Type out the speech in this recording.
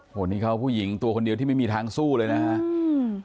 โอ้โหนี่เขาผู้หญิงตัวคนเดียวที่ไม่มีทางสู้เลยนะฮะอืม